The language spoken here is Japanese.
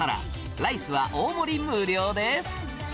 ライスは大盛り無料です。